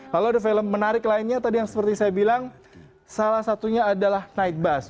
lalu ada film menarik lainnya tadi yang seperti saya bilang salah satunya adalah night bus